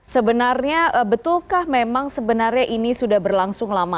sebenarnya betulkah memang sebenarnya ini sudah berlangsung lama